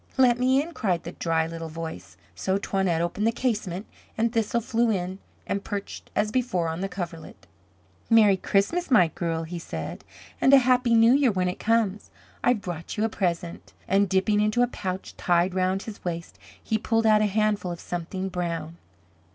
"Let me in," cried the dry little voice. So Toinette opened the casement, and Thistle flew in and perched as before on the coverlet. "Merry Christmas, my girl." he said, "and a Happy New Year when it comes. I've brought you a present;" and, dipping into a pouch tied round his waist, he pulled out a handful of something brown.